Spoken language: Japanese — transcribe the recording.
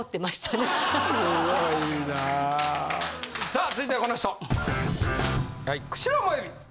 さあ続いてはこの人！